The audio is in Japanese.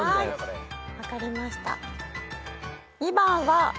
分かりました。